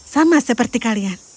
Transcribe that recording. sama seperti kalian